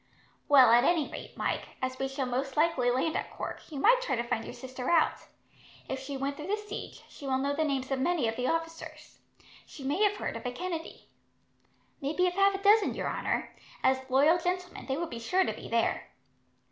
"Well, at any rate, Mike, as we shall most likely land at Cork, you might try to find your sister out. If she went through the siege, she will know the names of many of the officers. She may have heard of a Kennedy." "Maybe of half a dozen, your honour. As loyal gentlemen, they would be sure to be there."